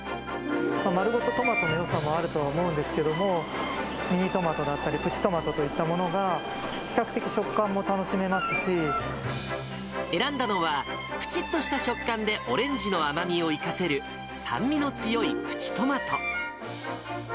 丸ごとトマトのよさもあると思うんですけども、ミニトマトだったり、プチトマトといったものが、選んだのは、ぷちっとした食感でオレンジの甘みを生かせる、酸味の強いプチトマト。